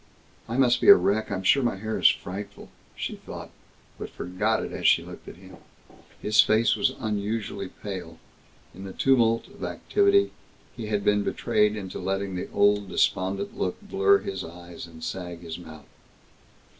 "I must be a wreck. I'm sure my hair is frightful," she thought, but forgot it as she looked at him. His face was unusually pale. In the tumult of activity he had been betrayed into letting the old despondent look blur his eyes and sag his mouth.